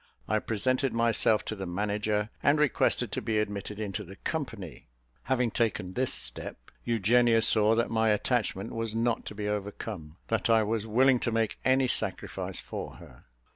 I presented myself to the manager, and requested to be admitted into the company. Having taken this step, Eugenia saw that my attachment was not to be overcome; that I was willing to make any sacrifice for her.